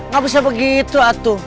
ga bisa begitu atuh